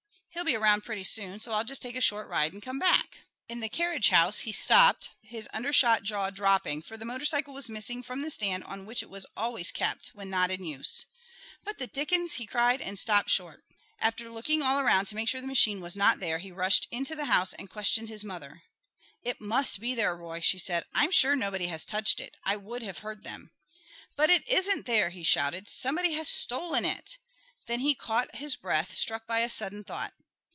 "He'll be around pretty soon, so I'll just take a short ride and come back." In the carriage house he stopped, his undershot jaw drooping; for the motorcycle was missing from the stand on which it was always kept, when not in use. "What the dickens " he cried, and stopped short. After looking all around to make sure the machine was not there, he rushed into the house and questioned his mother. "It must be there, Roy," she said. "I'm sure nobody has touched it. I would have heard them." "But it isn't there," he shouted. "Somebody has stolen it." Then he caught his breath, struck by a sudden thought.